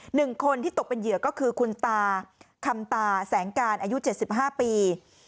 หนึ่งคนที่ตกเป็นเหยื่อก็คือคุณตาคำตาแสงการอายุ๗๕ปี